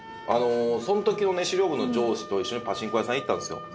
その時のね資料部の上司と一緒にパチンコ屋さん行ったんですよ。